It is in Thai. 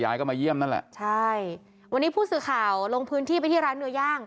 ก็มาเยี่ยมนั่นแหละใช่วันนี้ผู้สื่อข่าวลงพื้นที่ไปที่ร้านเนื้อย่าง